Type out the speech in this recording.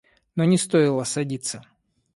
Но не стоило садиться.